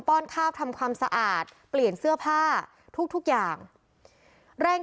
้อนข้าวทำความสะอาดเปลี่ยนเสื้อผ้าทุกทุกอย่างเร่ง